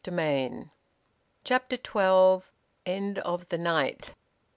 VOLUME FOUR, CHAPTER TWELVE. END OF THE NIGHT.